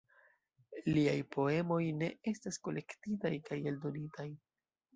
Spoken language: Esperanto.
Liaj poemoj ne estas kolektitaj kaj eldonitaj.